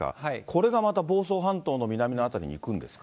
これがまた房総半島の南の辺りに行くんですか。